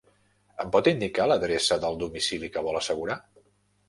Em pot indicar l'adreça del domicili que vol assegurar?